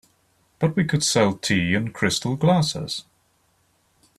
But we could sell tea in crystal glasses.